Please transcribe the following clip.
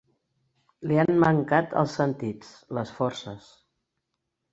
Li han mancat els sentits, les forces.